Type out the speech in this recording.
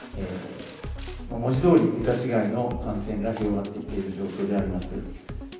文字どおり、桁違いの感染が広がってきている状況であります。